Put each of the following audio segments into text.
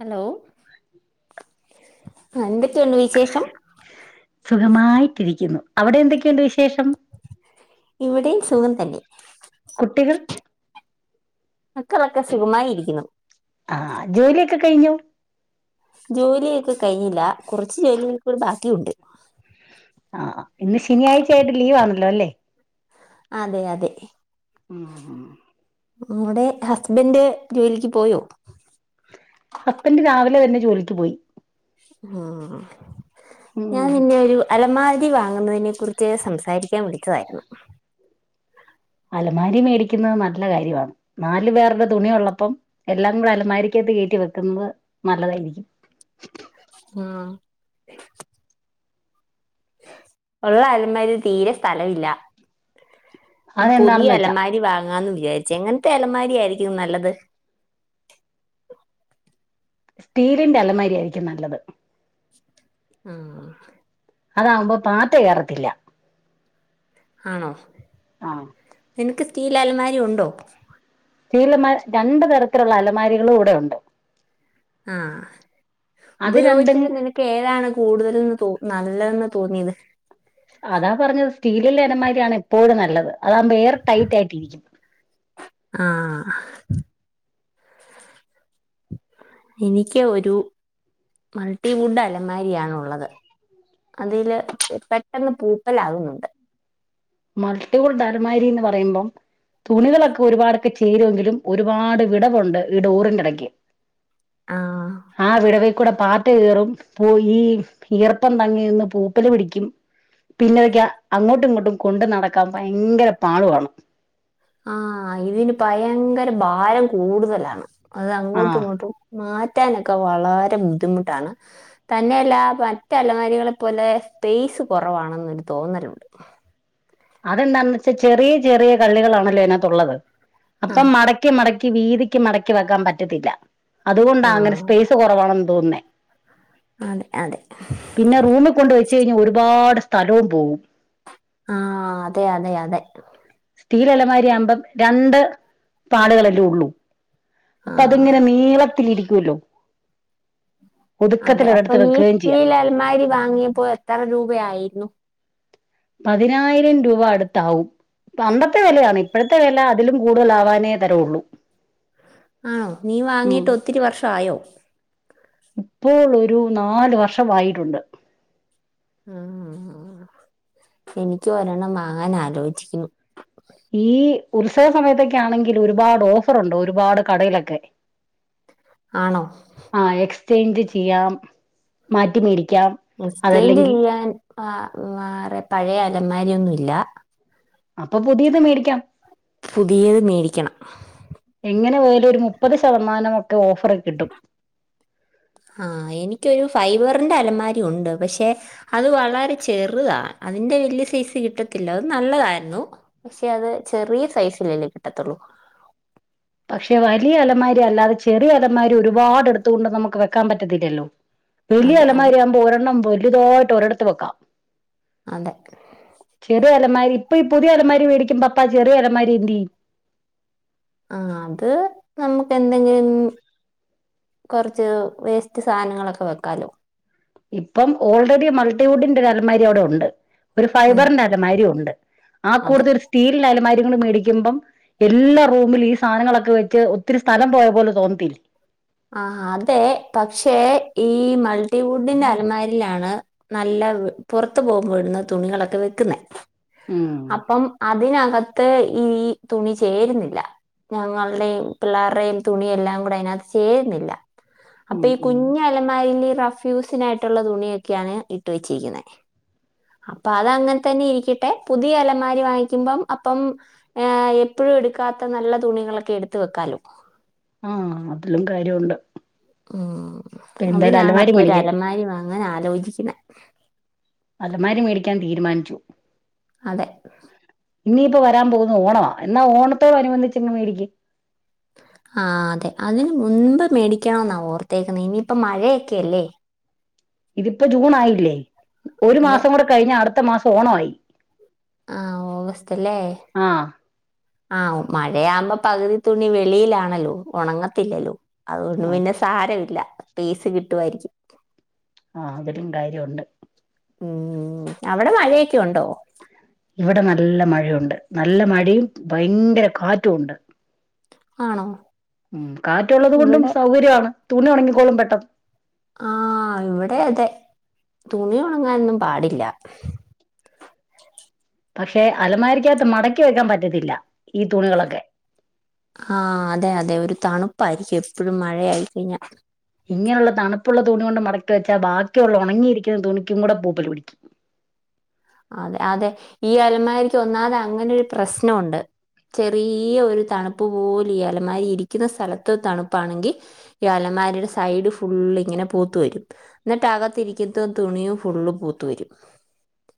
Hello ആഹ് എന്തൊക്കെയ്ണ്ട് വിശേഷം സുഖമായിട്ടിരിക്ക്ന്നു അവടെ എന്തൊക്കെണ്ട് വിശേഷം ഇവടിം സുഖം തന്നെ കുട്ടികൾ മക്കളൊക്കെ സുഖമായിരിക്ക്ന്നു ആഹ് ജോലിയൊക്കെ കഴിഞ്ഞോ ജോലിയൊക്കെ കഴിഞ്ഞില്ലാ കുറച്ച് ജോലികൾ കൂടി ബാക്കിയുണ്ട് ആഹ് ഇന്ന് ശനിയാഴ്ച്ച ആയിട്ട് ലീവ് ആണല്ലോല്ലേ അതെ അതെ ഉം ഉം ങ്ങാടെ ഹസ്ബൻഡ് ജോലിക്ക് പോയോ ഹസ്ബൻഡ് രാവിലെ തന്നെ ജോലിക്ക് പോയി ആഹ് ഞാൻ ഉം പിന്നെ ഒരു അലമാരി വാങ്ങുന്നതിനെ കുറിച്ച് സംസാരിക്കാൻ വിളിച്ചതായിരുന്നു അലമാരി മേടിക്ക്ന്നഹ് നല്ല കാര്യവാണ് നാലു പേരുടെ തുണിയ ഉള്ളപ്പം എല്ലാം കൂടെ അലമാരിക്കകത്ത് കയറ്റി വെക്കുമ്പം നല്ലതായിരിക്കും ഉം ഉള്ള അലമാരിൽ തീരെ സ്ഥലം ഇല്ല പുതിയ അതെന്താണെന്ന് വെച്ചാ അലമാരി വാങ്ങാന്ന് വിചാരിച്ചേ എങ്ങനത്തെ അലമാരി ആയിരിക്കും നല്ലത് സ്റ്റീലിന്റെ അലമാരി ആയിരിക്കും നല്ലത് ആഹ് അതാവുമ്പോ പാറ്റ കേറത്തില്ല ആണോ ആ നിനക്ക് സ്റ്റീല അലമാരി ഉണ്ടോ സ്റ്റീലമാ രണ്ടു തരത്തിലുള്ള അലമാരികളും ഇടെ ഉണ്ട് ആഹ് അത് രണ്ടും ഉപയോഗിച്ചിട്ടു നിനക്ക് പ്പേതാണ് കൂടുതൽന്ന് തോ നല്ലതെന്ന് തോന്നിയത് അതാ പറഞ്ഞത് സ്റ്റീല്ലില്ലെ അലമാരിയാണ് എപ്പോഴും നല്ലത് അതാകുമ്പോ എയർ ടൈറ്റ് ആയിട്ടിരിക്കും. ആഹ് എനിക്ക് ഒരു മൾട്ടി വുഡ് അലമാരിയാണുള്ളത്. അതില് പെട്ടെന്ന് പൂപ്പലാകുന്നുണ്ട് മൾട്ടി വുഡ് അലമാരിന്ന് പറയുമ്പം തുണികളൊക്കെ ഒരുപാടൊക്കെ ചേരുമെങ്കിലും ഒരുപാട് വിടവുണ്ട് ഈ ഡോറിൻ്റെടക്കി ആഹ് ആ വിടവി കൂടെ പാ ട്ട് കീറും. പൂ ഈ ഈർപ്പം തങ്ങി നിന്ന് പൂപ്പല് പിടിക്കും. പിന്നെതൊക്കെ അങ്ങോട്ടും ഇങ്ങോട്ടും കൊണ്ട് നടക്കാൻ ഭയങ്കര പാടു ആണ്. ആഹ്. ഇതിന് ഭയങ്കര ഭാരം കൂടുതലാണ്. അത് ആ അങ്ങോട്ടും ഇങ്ങോട്ടും മാറ്റാനൊക്കെ വളരെ ബുദ്ധിമുട്ടാണ്. തന്നെയല്ല മറ്റലമാരികളെപ്പോലെ സ്പേസ് കുറവാണെന്നൊരു തോന്നലുണ്ട്. അതെന്താന്ന് വെച്ചാ ചെറിയ ചെറിയ കള്ളികളാണല്ലോ അയിനാത്തുള്ളത്. ആ, അപ്പം അതെ മട ക്കി മടക്കി വീതിക്ക് മടക്കി വെക്കാൻ പറ്റത്തില്ല. അതുകൊണ്ടാ അങ്ങനെ ആഹ് സ്പേസ് കുറവാണെന്ന് തോന്നുന്നേ. അതെ അതെ പിന്നെ റൂമ് കൊണ്ട് വെച്ച് കഴിഞ്ഞാ ഒരുപാട് സ്ഥലവും പോവും. ആഹ് അതെ അതെ അതെ സ്റ്റീലലമാരിയാവുമ്പം രണ്ട് പാടുകളെല്ലേ ഉള്ളൂ. അപ്പ ആഹ് അത്ങ്ങനെ നീളത്തിലിരിക്കോല്ലോ. അതെ അപ്പൊ നീ വെക്കുകയും ചെയ്യാം സ്റ്റീൽ അൽമാരി വാങ്ങിയപ്പോ എത്ര രൂപയായിരുന്നു? പതിനായിരം രൂപ അടുത്താവും പണ്ടത്തെ വിലയാണ് ഇപ്പഴത്തെ വില അതിലും കൂടുതലാവാനേ തരവൊള്ളൂ. ആണോ, നീ വാങ്ങിയിട്ട് ഒത്തിരി വർഷം ആയോ? ഇപ്പോൾ ഒരു നാല് വർഷമായിട്ടുണ്ട് ആആആഹ് എനിക്കും ഒരെണ്ണം വാങ്ങാൻ ആലോചിക്കുന്നു. ഈ ഉത്സവ സമയത്തൊക്കെ ആണെങ്കിൽ ഒരുപാട് ഓഫറുണ്ട്. ഒരുപാട് കടയിലൊക്കെ ആണോ ആഹ് എക്സ്ചേഞ്ച് ചെയ്യാം മാറ്റി മേടിക്കാം. എക്സ്‌ച്ചേന്റ് അതല്ലെങ്കിൽ ചെയ്യാൻ ആ വേറെ പഴയ അലമാരിയൊന്നു ഇല്ല. അപ്പം പുതിയത് മേടിക്കാം. പുതിയത് മേടിക്കണം എങ്ങനെ പോയാലും ഒരു മുപ്പത് ശതമാനം ഒക്കെ ഓഫർ കിട്ടും. ആഹ് എനിക്കൊരു ഫൈബറിന്റെ അലമാരി ഉണ്ട് പക്ഷെ അത് വളരെ ചെറുതാ. അതിന്റെ വലിയ സൈസ് കിട്ടത്തില്ല. അതും നല്ലതായിരുന്നു പക്ഷേ അത് ചെറിയ സൈസിലല്ലേ കിട്ടത്തൊള്ളൂ പക്ഷെ വലിയ അലമാരി അല്ലാതെ ചെറിയ അലമാരി ഒരുപാട് എടുത്തുകൊണ്ട് നമുക്ക് വെക്കാൻ പറ്റത്തില്ലല്ലോ. വലിയ അതെ അതെ അലമാരിയാവുമ്പോ ഒരെണ്ണം വലുതായിട്ട് ഒരിടത്ത് വെക്കാം. അതെ ചെറിയ അലമാരി ഇപ്പൊ ഈ പുതിയ അലമാരി വേടിക്കുമ്പ അപ്പാ ചെറിയ അലമാരി എന്തെയ്യും? ആഹ് അത് നമുക്ക് എന്തെങ്കിലും കൊറച്ച് വേസ്റ്റ് സാധനങ്ങളൊക്കെ വെക്കാലോ ഇപ്പം ഓൾറെഡി മൾട്ടിവുഡിന്റെ ഒരു അലമാരി അവിടെ ഉണ്ട്. ഒരു ഉണ്ട് ഫൈബറിന്റെ അലമാരിയുണ്ട് ആ അതെ കൂട്ടത്തിൽ ഒരു സ്റ്റീലിന്റെ അലമാരിയും കൂടെ മേടിക്കുമ്പം എല്ലാ റൂമിലും ഈ സാധനങ്ങളൊക്കെ വെച്ച് ഒത്തിരി സ്ഥലം പോയ പോലെ തോന്നത്തില്ലെ. ആഹ് ഹതെ. പക്ഷേ ഈ മൾട്ടിവുഡിന്റെ അലമാരിലാണ് നല്ല പുറത്ത് പോകുമ്പോ ഇടുന്ന തുണികളൊക്കെ വെക്കുന്നെ ഉം പ്പം അതിനകത്ത് ഈ തുണി ചേരുന്നില്ല. ഞങ്ങളുടെയും പിള്ളേരുടെയും തുണിയ എല്ലാം കൂടെ അതിനകത്ത് ചേരുന്നില്ല അപ്പൊ ഉം ഈ ഉം കുഞ്ഞ ലമാല റഫ്യൂസിനായിട്ടുള്ള തുണിയൊക്കെയാണ് ഇട്ട് വെച്ചിരിക്കുന്നത് അപ്പൊ അതങ്ങനെ തന്നെ ഇരിക്കട്ടെ പുതിയ അലമാരി വാങ്ങിക്കുമ്പം അപ്പം ഏ എപ്പോഴും എടുക്കാത്ത നല്ല തുണികളൊക്കെ എടുത്ത വെക്കാലോ ആഹ അതിലും കാര്യമുണ്ട് ഉ എന്തായാലും അതിനാണ് അലമാരി അപ്പൊ ഒരു മേടിക്കാൻ അലമാരി വാങ്ങാൻ ആലോചിക്കുന്നത് അലമാരി മേടിക്കാൻ തീരുമാനിച്ചു അതെ ഇനിയിപ്പോ വരാൻ പോകുന്ന ഓണമാണ് എന്നാ ഓണോടനുബന്ധിച്ചങ് മേടിക്ക് ആ അതെ അതിന് മുൻപ് മേടിക്കണമെന്നാണ് ഓർത്തേക്കുന്നത് ഇനിയിപ്പം മഴയൊക്കെയല്ലേ ഇതിപ്പോ ജൂൺ ആയില്ലേ ഒരു അതെ മാസം കൂടെ കഴിഞ്ഞ അടുത്ത മാസം ഓണമായി ആഹ ഓഗസ്റ്റ് അല്ലേ ആഹ ആഹ മഴയാവുമ്പോ പകുതി തുണി വെളിയിലാണല്ലോ ഉണങ്ങത്തില്ലല്ലോ അതുകൊണ്ട് അതെ പിന്നെ സാരമില്ല സ്പേസ് കിട്ടുമായിരിക്കും ആഹ അതിലും കാര്യമുണ്ട് ഉം അവിടെ മഴയൊക്കെ ഉണ്ടോ ഇവിടെ നല്ല മഴയുണ്ട് നല്ല മഴയും ഭയങ്കര കാറ്റും ഉണ്ട് ആണോ ഉ കാറ്റുള്ളത് കൊണ്ടും ഇവിടെ സൗകര്യമാണ് തുണി ഉണങ്ങിക്കോളും പെട്ടെന്ന് ആഹ ഇവിടെ അതെ തുണി ഒണങ്ങാനൊന്നും പാടില്ല പക്ഷെ അലമാരിക്കകത്ത് മടക്കി വെക്കാൻ പറ്റത്തില്ല ഈ തുണികളൊക്കെ ആഹ അതെ അതെ ഒരു തണുപ്പായിരിക്കും എപ്പോഴും മഴയായി കഴിഞ്ഞാൽ ഇങ്ങനെയുള്ള തണുപ്പുള്ള തുണി കൊണ്ട് മടക്കി വെച്ചാൽ ബാക്കിയുള്ള ഉണങ്ങിയിരിക്കുന്ന തുണിക്കും കൂടെ പൂപ്പിൽ പിടിക്കും അതെ അതെ ഈ അലമാരിക്ക് ഒന്നാതെ അങ്ങനൊരു പ്രശ്നംണ്ട് ചെറിയ ഒരു തണുപ്പ് പോലും അലമാരി ഇരിക്കുന്ന സ്ഥലത്ത് തണുപ്പാണെങ്കിൽ ഈ അലമാരയുടെ സൈഡ് ഫുള്ങ്ങനെ പൂത്തു വരും എന്നിട്ട് അകത്തിരിക്കുന്നത് തുണിയും ഫുള്ള് പൂത്ത വരും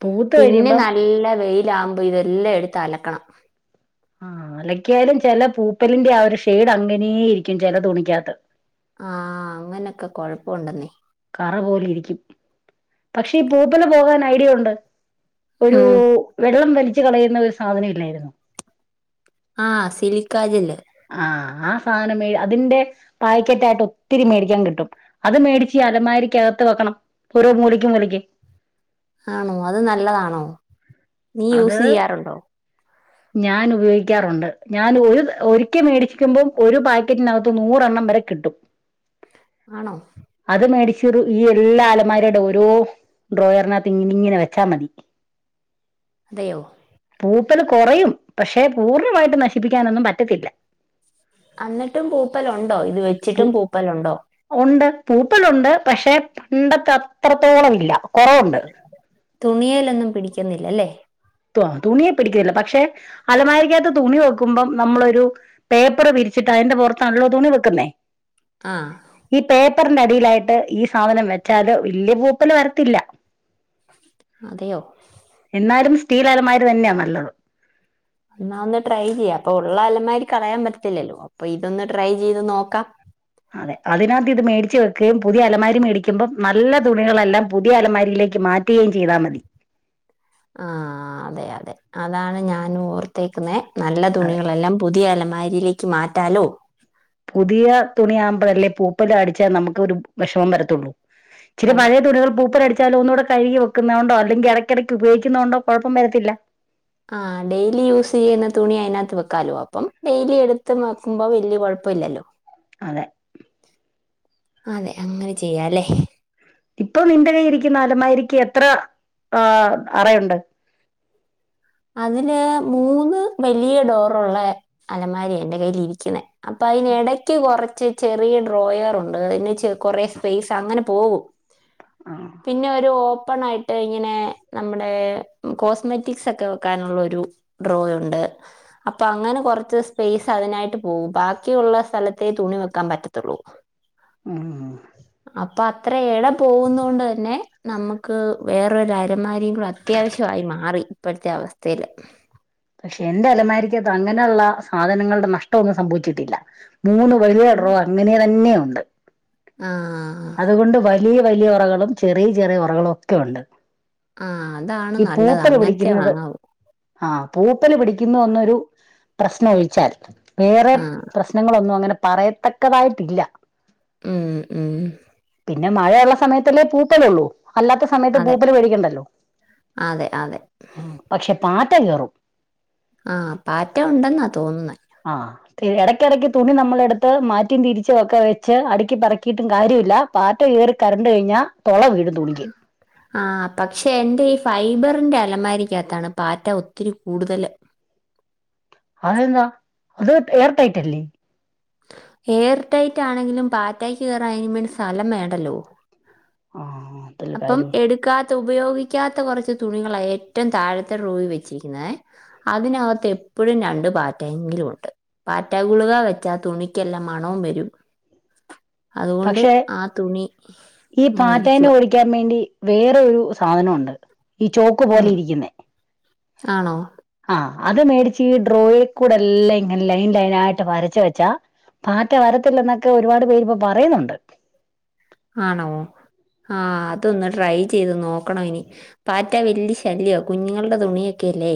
പൂത്ത് പിന്നെ കഴിയുമ്പം നല്ല വെയില ആകുമ്പ് ഇതെല്ലാം എടുത്ത് അലക്കണം ആ അലക്കിയാലും ചില പൂപ്പലിന്റെ ആ ഒരു ഷെയഡ് അങ്ങനെയേയിരിക്കും ചില തുണിക്കാത്ത ആഹ അങ്ങനെയൊക്കെ കൊഴപ്പുണ്ടെന്നേ കറ പോലെ ഇരിക്കും പക്ഷേ ഈ പൂപ്പില് പോകാൻ ഐഡിയ ഉണ്ട് ഒരു ഉം വെള്ളം വലിച്ചു കളയുന്ന ഒരു സാധന ഇല്ലായിരുന്നു ആഹ സിലിക്കാജല്ലേ ആ ആ സാധനം മ അതിന്റെ പായ്ക്കറ്റ് ആയിട്ട് ഒത്തിരി മേടിക്കാൻ കിട്ടും അത് മേടിച്ച് അലമാരിക്ക് അകത്ത് വെക്കണം ഓരോ മൂലക്ക് മൂലയ്ക്ക് ആണോ അത് നല്ലതാണോ അത് ആ [unintelligible] ഞാൻ ഉപയോഗിക്കാറുണ്ട് ഞാൻ ഒരിക്കൽ മേടിക്കുമ്പോം ഒരു പാക്കറ്റിനകത്ത് നൂറെണ്ണം വരെ കിട്ടും ആണോ അത് മേടിച്ചരു ഈ എല്ലാ അലമാറയുടെ ഓരോ ഡ്രോയറിനകത്ത് ഇങ്ങനെ വെച്ചാ മതി അതെയൊ പൂപ്പല് കുറയും പക്ഷെ പൂർണ്ണമായിട്ട് നശിപ്പിക്കാനൊന്നും പറ്റത്തില്ല എന്നിട്ടും പൂപ്പലുണ്ടോ ഇത് പൂ വെച്ചിട്ടും പൂപ്പലുണ്ടോ ഉണ്ട് പൂപ്പലുണ്ട് പക്ഷെ പണ്ടത്തെ അത്രത്തോളം ഇല്ല കുറവുണ്ട് തുണിയിലൊന്നും പിടിക്കുന്നില്ലല്ലേ തുണിയെ പിടിക്കുന്നില്ല പക്ഷെ അലമാരിക്കാത്ത തുണി വെക്കുമ്പം നമ്മളൊരു പേപ്പറ് വിരിച്ചിട്ട് അതിന്റെ പുറത്താണല്ലോ തുണി വെക്കുന്നേ ആഹ് ഈ പേപ്പറിന്റെ അടിയിലായിട്ട് ഈ സാധനം വെച്ചാല് വല്യായ പൂപ്പല് വരത്തില്ല അതെയോ? എന്നാലും സ്റ്റീല് അലമാര തന്നെയാ നല്ലത് എന്നാ ഒന്ന് ട്രൈ ചെയ്യ അപ്പൊ ഉള്ള അലമാരക്കളയാൻ പറ്റത്തില്ലല്ലോ അപ്പൊ ഇതൊന്ന് ട്രൈ ചെയ്ത് നോക്കാം അതെ അതിനകത്ത് ഇത് മേടിച്ചു വെക്കുകയും പുതിയ അലമാര മേടിക്കുമ്പോം നല്ല തുണികളെല്ലാം പുതിയ അലമാരിയിലേക്ക് മാറ്റി ക്ലീൻ ചെയ്താൽ മതി ആ അതെ അതെ അതാണ് ഞാൻ ഓർത്തേക്കുന്നെ നല്ല അതെ തുണികളെല്ലാം പുതിയ അലമാരിയിലേക്ക് മാറ്റാലോ പുതിയ തുണിയാകുമ്പോഴ അല്ലേ പൂപ്പൽടിച്ചാൽ നമുക്ക് ഒരു വിഷമം വരത്തുള്ളൂ ചില അതെ പഴയ തുണികൾ പൂപ്പൽ അടിച്ചാലു ഒന്നുകൂടെ കഴുകി വെക്കുന്നണ്ടോ അല്ലെങ്കിൽ ഇടക്കിടയ്ക്ക് ഉപയോഗിക്കുന്നുകണ്ടോ കുഴപ്പം വരത്തില്ല ആഹ ഡെയിലി യൂസ് ചെയ്യുന്ന തുണി അതിനകത്ത് വക്കാലോ അപ്പം ഡെയിലി എടുത്ത് വെക്കുമ്പോ വലിയ കുഴപ്പ ഇല്ലല്ലോ [inaudible] അതെ അതെ അങ്ങനെ ചെയ്യാല്ലേ ഇപ്പൊ നിന്റെ കയ്ലിരിക്കുന്ന അലമാരിക്ക് എത്ര ആ അറയുണ്ട് അതിന് മൂന്ന് വലിയ ഡോറുള്ള അലമാരി എൻ്റെ കൈയിൽ ഇരിക്കുന്നെ അപ്പൊ അയീനെടക്ക് കുറച്ച് ചെറിയ ഡ്രോയർണ്ട് അതിന് കൊറേ സ്പേസ് അങ്ങനെ പോകും ആ പിന്നെ ഒരു ഓപ്പൺ ആയിട്ട് ഇങ്ങനെ നമ്മുടെ കോസ്മെറ്റിക്സ് ഒക്കെ വെക്കാനുള്ള ഒരു ഡ്രോ ഉണ്ട് അപ്പൊ അങ്ങനെ കുറച്ച് സ്പേസ് അതിനായിട്ട് പോവും ബാക്കിയുള്ള സ്ഥലത്തേ തുണി വെക്കാൻ പറ്റത്തുള്ളൂ [inaudible] ഉം അപ്പൊ അത്ര ഇട പോകുന്നതുകൊണ്ട് തന്നെ നമുക്ക് വേറൊരു അലമാരികൂടി അത്യാവശ്യമായി മാറി ഇപ്പോഴത്തെ അവസ്ഥയില് പക്ഷെ എന്റെ അലമാരിക്ക്കത് അങ്ങനെയുള്ള സാധനങ്ങളുടെ നഷ്ടന്നും സംഭവിച്ചിട്ടില്ല മൂന്ന് വലിയറോ അങ്ങനെ തന്നെ ഉണ്ട് ആഹ അതുകൊണ്ട് വലിയ വലിയ ഒറകളും ചെറിയ ചെറിയ ഒറകളും ഒക്കെ ഉണ്ട് ആഹ അതാണ് നല്ലത് അങ്ങനത്തെ വാങ്ങാവു ആഹ പൂപ്പല് പിടിക്കുന്നു ഒന്നൊരു പ്രശ്നം ഒഴിച്ചാൽ വേറെ ആഹ് പ്രശന നിങ്ങളൊനു അങ്ങനെ പറയത്തക്കതായിട്ടില്ല ഉം ഉം പിന്നെ മഴയുള്ള സമയത്തല്ലേ പുപല് ഉള്ളൂ അല്ലാത്ത സമയത്ത് അതെ പൂപ്പൽ പേടിക്കണ്ടല്ലോ അതെ അതെ പക്ഷെ പാറ്റ കേറും ആ പാറ്റ ഉണ്ടെന്നാ തോന്നുന്നേ ആഹ ഇടയ്ക്കിടയ്ക്ക് തുണി നമ്മളെടുത്ത് മാറ്റിയും തിരിച്ചൊക്കെ വെച്ച് അടുക്കി പറക്കിയിട്ടും കാര്യമില്ല പാറ്റ കയറി കറണ്ട് കഴിഞ്ഞാൽ തൊള വീഴും തുണി ഉ ആ പക്ഷെ എന്റെ ഈ ഫൈബറിന്റെ അലമാരിക്കകത്താണ് പാറ്റ ഒത്തിരി കൂടുതൽ അതെന്താ അത് ഏയർ ടൈറ്റല്ലെ എയർടൈറ്റാണെങ്കിലും പാറ്റായ്ക് കേറാൻ അയിന് മേണ്ടി സ്ഥലം വേണ്ടല്ലോ ആഹ് അതില് അപ്പം കാര്യമുണ്ട് എടുക്കാത്ത ഉപയോഗിക്കാത്ത കൊറച്ച് തുണികളാ ഏറ്റവും താഴത്തെ ഡ്രോവി വെച്ചിരിക്കുന്നേ അതിനകത്ത് എപ്പഴും രണ്ട് പാറ്റെങ്കിലും ഒണ്ട് പാറ്റ ഗുളിക വെച്ചാ തുണിക്കെല്ലാം മണവും വെരും അതുകൊണ്ട് പക്ഷെ ആ തുണി ഇങ്ങനെരിക്കുവാ മേണ്ടി വേറൊരു സാധനൊണ്ട് ഈ ചോക്ക് ഉം പോലെയിരിക്കുന്നെ ആണോ ആഹ് അത് മേടിച്ച് ഈ ഡ്രോയികൂടെ എല്ലാം ഇങ്ങനെ ലൈൻ ലൈൻ ആയിട്ട് വരച്ച് വെച്ചാ പാറ്റ വരത്തില്ലെന്നൊക്കെ ഒരുപാട് പേരിപ്പം പറയുന്നുണ്ട് ആണോ ആഹ് അതൊന്ന് ട്രൈ ചെയ്ത് നോക്കണൊ ഇനി പാറ്റ വെല്ല്യ ശല്ല്യാ കുഞ്ഞുങ്ങളുടെ തുണിയൊക്കെയല്ലേ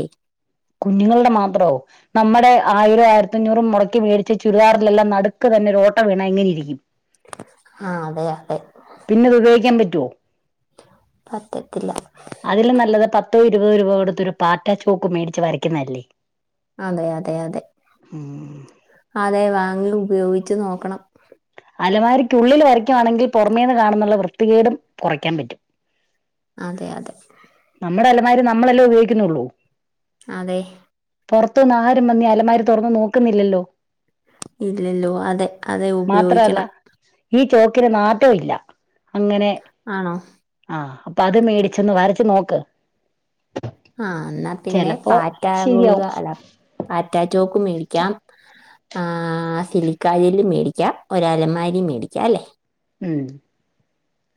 കുഞ്ഞുങ്ങളുടെ മാത്രോ നമ്മടെ ആയിരം ആയിരത്തഞ്ഞൂറും മൊടക്കി വേടിച്ച ചുരിദാറിലെല്ലാം നടുക്ക് തന്നെ ഒരോട്ട വീണാ എങ്ങനിരിക്കും ആഹ് അതെ അതെ പിന്നത് ഉപയോഗിക്കാൻ പറ്റുവോ പറ്റത്തില്ല അതിലും നല്ലത് പത്തോ ഇരുപതോ രൂപാ കൊടുത്തൊരു പാറ്റ ചോക്ക് മേടിച്ച് വരയ്ക്കുന്നതല്ലേ അതെ അതെ അതെ ഉം അതെ വാങ്ങി ഉപയോഗിച്ച് നോക്കണം അലമാക്കുള്ളില് വരയ്ക്കുയാണെങ്കിൽ പൊറമേന്ന് കാണുന്നുള്ള വൃത്തികേടും കൊറയ്ക്കാൻ പറ്റും അതെ അതെ നമ്മടെ അലമാരി നമ്മളെല്ലേ ഉപയോഗിക്കുന്നുള്ളൂ അതെ പുറത്തുന്ന് ആരും വന്നീ അലമാര തൊറന്ന് നോക്കുന്നില്ലല്ലോ ഇല്ലല്ലോ അതെ അതെ മാത്രല്ല ഉപയോഗിക്കണം ഈ ചോക്കിന് നാറ്റൊം ഇല്ല അങ്ങനെ ആണോ ആഹ് അപ്പൊ അത് മേടിച്ചൊന്ന് വരച്ച് നോക്ക് ആഹ് എന്നാ പിന്നെ ചെലപ്പോ പാറ്റ ഗുളിക ശരിയാവും അല്ല പാറ്റാ ചോക്ക് മേടിക്കാം ആ സിലിക്കയലും മേടിക്കാം ഒരലമാരിം മേടിക്കാ അല്ലേ ഉം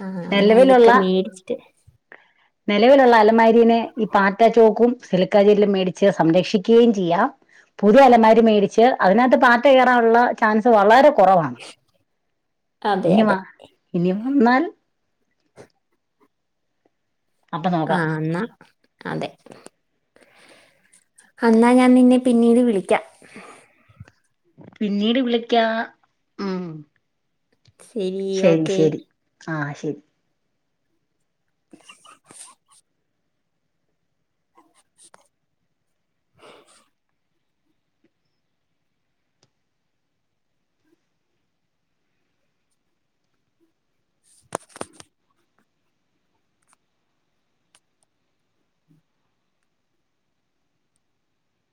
ആഹ് എന്നാ ഇതൊക്കെ മേടിച്ചിട്ട് നെലവിലുള്ള അലമാരീനെ ഈ പാറ്റ ചോക്കും സിലികാരിയെല്ലും മേടിച്ച് സംരക്ഷിക്കുകയും ചെയ്യാം പുതിയ അലമാരി മേടിച്ച് അതിനാത്ത് പാറ്റ കേറാനുള്ള ചാൻസ് വളരെ കൊറവാണ് അതെ ഇനി വ അതെ ഇനി വന്നാൽ അപ്പൊ നോക്കാം ആഹ് അന്നാ അതെ അന്നാ ഞാൻ നിന്നെ പിന്നീട് വിളിക്കാം പിന്നീട് വിളിക്കാ മ്മം ശരി ശെരി ഓക്കെ ശെരി ആഹ് ശെരി